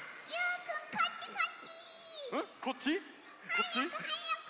・はやくはやく！